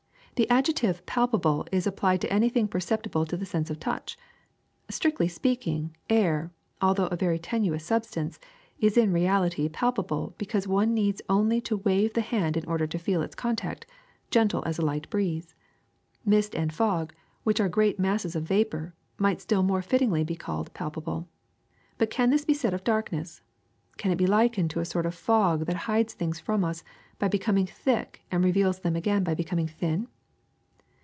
The adjective palpable is ap plied to anything perceptible to the sense of touch. Strictly speaking, air, although a very tenuous sub stance, is in reality palpable because one needs only to wave the hand in order to feel its contact, gentle as a light breeze. Mist and fog, which are great masses of vapor, might still more fittingly be called palpable. But can this be said of darkness? Can it be likened to a sort of fog that hides things from us by becoming thick and reveals them again by becom ing thin?